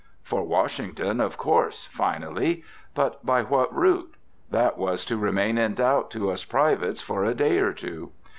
For Washington, of course, finally; but by what route? That was to remain in doubt to us privates for a day or two.